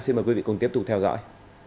xin mời quý vị cùng tiếp tục theo dõi